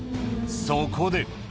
そこで。